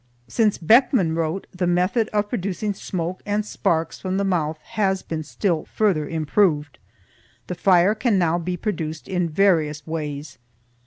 Since Beckmann wrote, the method of producing smoke and sparks from the mouth has been still further improved. The fire can now be produced in various ways.